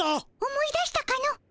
思い出したかの？